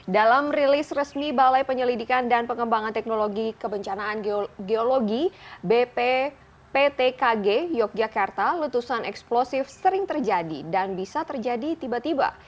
dalam rilis resmi balai penyelidikan dan pengembangan teknologi kebencanaan geologi bpptkg yogyakarta letusan eksplosif sering terjadi dan bisa terjadi tiba tiba